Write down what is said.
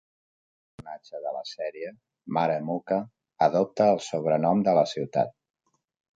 Un personatge de la sèrie, Mare Mucca, adopta el sobrenom de la ciutat.